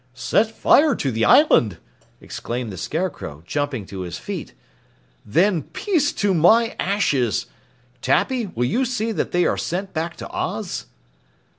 "Set fire to the island!" exclaimed the Scarecrow, jumping to his feet. "Then peace to my ashes! Tappy, will you see that they are sent back to Oz?"